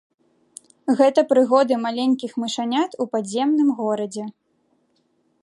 Гэта прыгоды маленькіх мышанят у падземным горадзе.